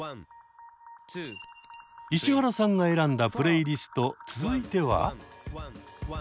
石原さんが選んだプレイリスト続いては。